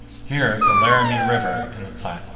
Here the Laramie River and the Platte meet.